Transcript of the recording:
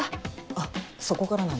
あっそこからなんだ。